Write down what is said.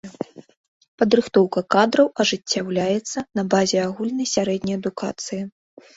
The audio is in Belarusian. Падрыхтоўка кадраў ажыццяўляецца на базе агульнай сярэдняй адукацыі.